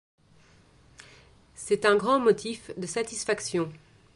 C'est un grand motif de satisfaction.